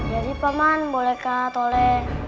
jadi paman bolehkah tuli